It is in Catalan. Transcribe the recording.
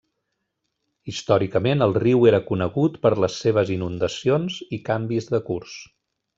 Històricament, el riu era conegut per les seves inundacions i canvis de curs.